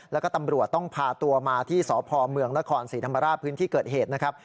แล้วก็ตำรวจต้องพาตัวมาที่สพเมืองนครศรีธรรมราชพื้นที่เกิดเหตุนะครับ